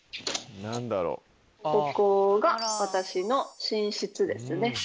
ここが私の寝室ですね